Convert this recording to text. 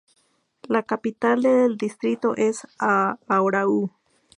La capital del distrito es Aarau.